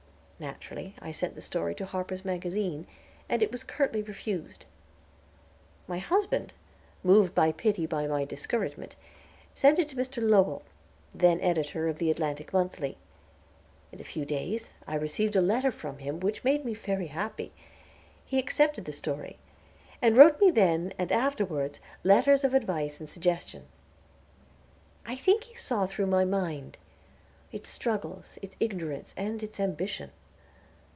Naturally, I sent the story to Harper's Magazine, and it was curtly refused. My husband, moved by pity by my discouragement, sent it to Mr. Lowell, then editor of the Atlantic Monthly. In a few days I received a letter from him, which made me very happy. He accepted the story, and wrote me then, and afterwards, letters of advice and suggestion. I think he saw through my mind, its struggles, its ignorance, and its ambition.